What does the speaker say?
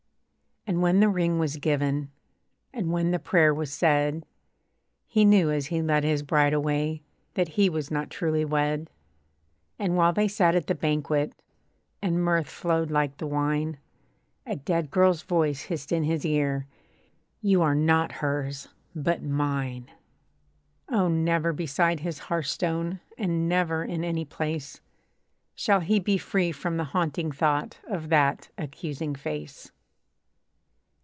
And when the ring was given, And when the prayer was said, He knew, as he led his bride away, That he was not truly wed. And while they sat at the banquet, And mirth flowed like the wine, A dead girl's voice hissed in his ear, 'You are not hers, but mine.' Oh! never beside his hearthstone, And never in any place, Shall he be free from the haunting thought Of that accusing face.